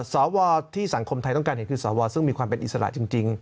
สวที่สังคมไทยต้องการเห็นคือสวซึ่งมีความเป็นอิสระจริง